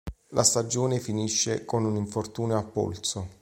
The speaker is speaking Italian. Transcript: La stagione finisce con un infortunio al polso.